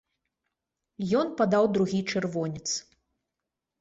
Ён падаў другі чырвонец.